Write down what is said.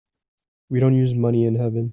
We don't use money in heaven.